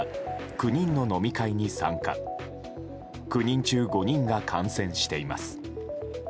９人中５人が感染しています。